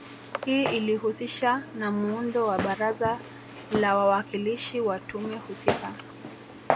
Hii ilihusisha na muundo wa Baraza la Wawakilishi wa tume husika